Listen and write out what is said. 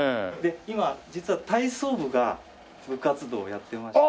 今実は体操部が部活動をやってまして。